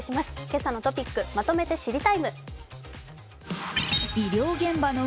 今朝のトピック、まとめて「知りＴＩＭＥ，」